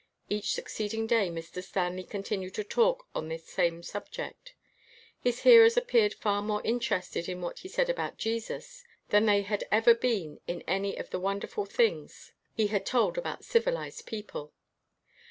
Each succeeding day, Mr. Stan ley continued to talk on this same subject. His hearers appeared far more interested in what he said about Jesus than they had ever been in any of the wonderful things he had told about civilized people.